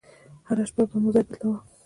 هره شپه به مو ځاى بدلاوه.